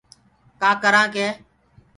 ڪآ ڪرآنٚ ڪي